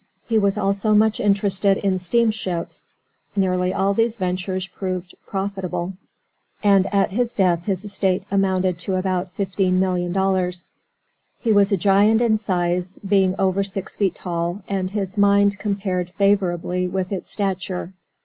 He was also much interested in steam ships. Nearly all these ventures proved profitable, and at his death his estate amounted to about $15,000,000. He was a giant in size, being over six feet tall, and his mind compared favorably with his stature.